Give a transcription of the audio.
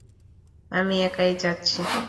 আমি একাই যাচ্ছি।